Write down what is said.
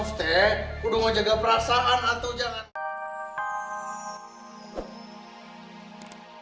kudu mau jaga perasaan atau jangan